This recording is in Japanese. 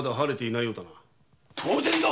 当然だ！